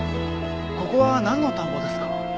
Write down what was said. ここは何の田んぼですか？